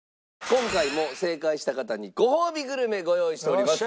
今回も正解した方にごほうびグルメご用意しております。